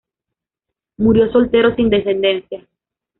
Murió soltero sin descendencia.